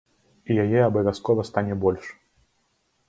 І яе абавязкова стане больш!